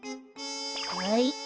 はい。